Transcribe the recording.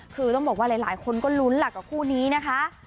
คือต้องบอกว่าหลายคนก็ลุ้นหลักกับคู่นี้นะคะ